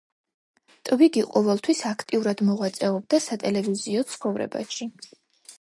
ტვიგი ყოველთვის აქტიურად მოღვაწეობდა სატელევიზიო ცხოვრებაში.